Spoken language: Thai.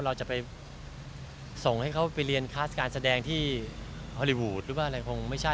เราจะไปส่งให้เขาไปเรียนคลาสการแสดงที่ฮอลลี่วูดหรือว่าอะไรคงไม่ใช่